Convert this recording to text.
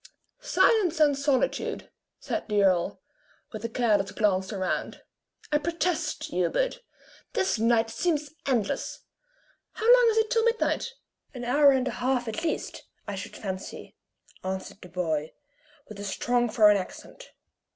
"Silence and solitude," said the earl, with a careless glance around, "I protest, Hubert, this night seems endless. How long is it till midnight?" "An hour and a half at least, I should fancy," answered the boy, with a strong foreign accent.